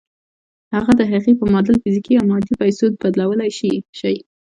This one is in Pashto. هغه د هغې په معادل فزيکي يا مادي پيسو بدلولای شئ.